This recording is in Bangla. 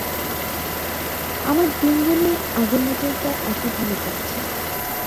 আমার দিনগুলো আগের মতই প্রায় একভাবে চলেছে।